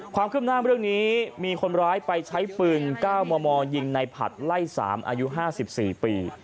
ความคืบหน้าเรื่องนี้มีคนร้ายไปใช้ปืน๙มมยิงในผัดไล่๓อายุ๕๔ปี